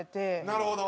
なるほど。